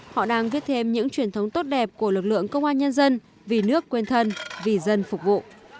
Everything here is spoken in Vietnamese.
họ đang viết thêm những truyền thống tốt đẹp của lực lượng công an nhân dân vì nước quên thân vì dân phục vụ